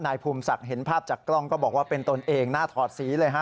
นายภูมิศักดิ์เห็นภาพจากกล้องก็บอกว่าเป็นตนเองหน้าถอดสีเลยฮะ